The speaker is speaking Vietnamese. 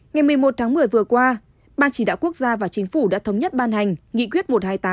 ngày một mươi một tháng một mươi vừa qua ban chỉ đạo quốc gia và chính phủ đã thống nhất ban hành nghị quyết một trăm hai mươi tám